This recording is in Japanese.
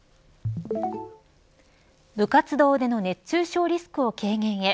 部活動での熱中症リスクを軽減へ。